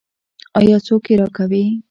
آیا څوک یې راکوي؟